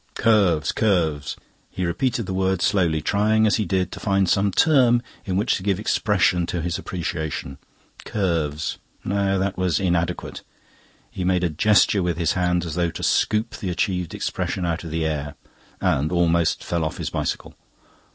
Curves, curves: he repeated the word slowly, trying as he did so to find some term in which to give expression to his appreciation. Curves no, that was inadequate. He made a gesture with his hand, as though to scoop the achieved expression out of the air, and almost fell off his bicycle.